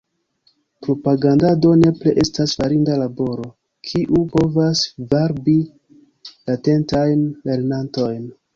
Propagandado nepre estas farinda laboro, kiu povas varbi latentajn lernantojn.